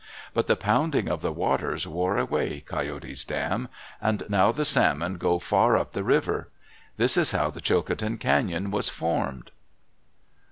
But the pounding of the waters wore away Coyote's dam, and now the salmon go far up the river. This is how the Chilcotin Cañon was formed.